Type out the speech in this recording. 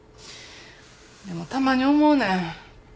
でもたまに思うねん。